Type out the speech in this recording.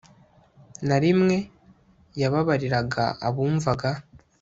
na rimwe, yababariraga abumvaga